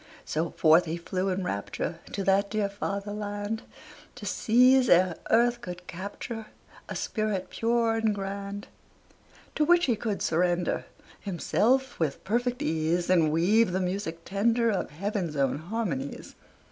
So forth he flew in rapture To that dear father land, To seize ere earth could capture A spirit pure and grand, To which he could surrender Himself with perfect ease, And weave the music tender, Of heaven's own harmonies.